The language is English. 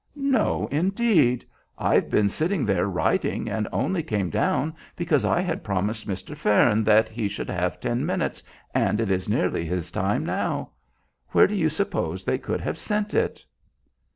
"No, indeed! I've been sitting there writing, and only came down because I had promised Mr. Fearn that he should have ten minutes, and it is nearly his time now. Where do you suppose they could have sent it?"